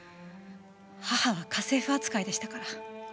母は家政婦扱いでしたから。